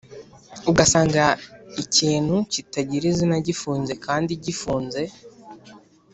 ugasanga ikintu kitagira izina gifunze kandi gifunze…